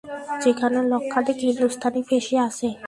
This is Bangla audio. যেখানে লক্ষাধিক হিন্দুস্তানি ফেঁসে আছে।